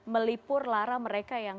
melipur lara mereka yang